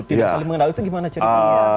tidak saling mengendalikan gimana ceritanya